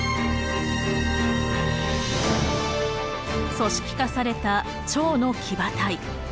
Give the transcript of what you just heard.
組織化された趙の騎馬隊。